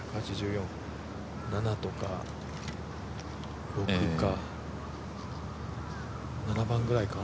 ７とか６か７番ぐらいか？